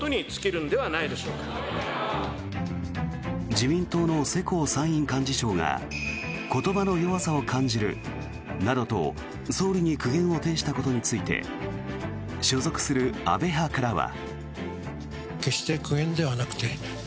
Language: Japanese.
自民党の世耕参院幹事長が言葉の弱さを感じるなどと総理に苦言を呈したことについて所属する安倍派からは。